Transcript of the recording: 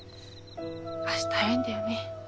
明日早いんだよね？